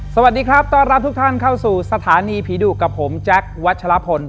สวัสดีครับต้อนรับทุกท่านเข้าสู่สถานีผีดุกับผมแจ๊ควัชลพล